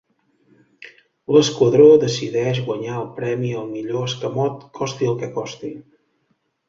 L'esquadró decideix guanyar el premi al millor escamot costi el que costi.